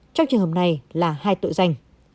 trong trường hợp này là hai tội danh